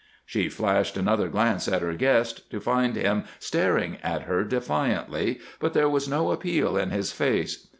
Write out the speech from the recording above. She flashed another glance at her guest, to find him staring at her defiantly, but there was no appeal in his face.